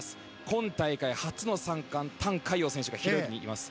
今大会初の３冠タン・カイヨウ選手がいます。